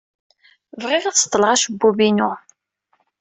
Bɣiɣ ad seḍḍleɣ acebbub-inu.